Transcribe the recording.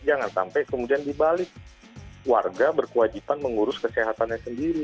jangan sampai kemudian dibalik warga berkewajiban mengurus kesehatannya sendiri